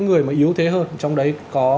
người mà yếu thế hơn trong đấy có